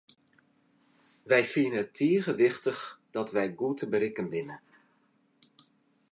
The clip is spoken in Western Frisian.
Wy fine it tige wichtich dat wy goed te berikken binne.